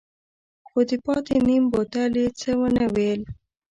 خو د پاتې نيم بوتل يې څه ونه ويل.